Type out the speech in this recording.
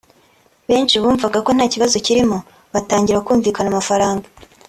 benshi bumvaga nta kibazo kirimo batangira kumvikana amafaranga